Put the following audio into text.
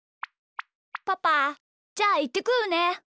パパじゃあいってくるね。